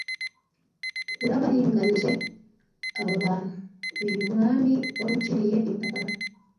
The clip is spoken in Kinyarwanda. Yarabaringanije aba bantu Uyu Mwami waruciriye i Mutakara